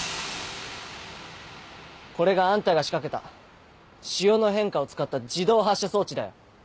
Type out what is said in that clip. これがあんたが仕掛けた潮の変化を使った自動発射装置だよ。